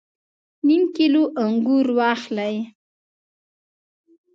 نیم کیلو انګور واخلئ